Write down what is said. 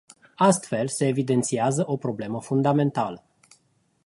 Astfel, se evidențiază o problemă fundamentală.